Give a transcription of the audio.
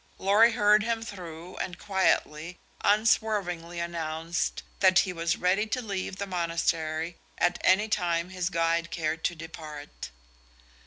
Lorry heard him through and quietly, unswervingly announced that he was ready to leave the monastery at any time his guide cared to depart.